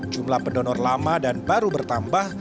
jumlah pendonor lama dan baru bertambah